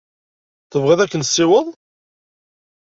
Tebɣiḍ ad k-nessiweḍ?